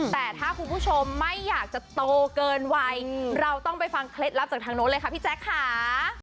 แต่ถ้าคุณผู้ชมไม่อยากจะโตเกินวัยเราต้องไปฟังเคล็ดลับจากทางโน้นเลยค่ะพี่แจ๊คค่ะ